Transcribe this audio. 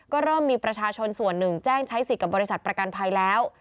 ก็เริ่มมีประชาชนส่วนหนึ่งแจ้งใช้สิทธิ์กับบริษัทประกันภัยแล้ว